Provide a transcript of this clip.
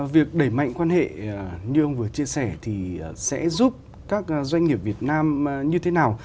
việc đẩy mạnh quan hệ như ông vừa chia sẻ thì sẽ giúp các doanh nghiệp việt nam như thế nào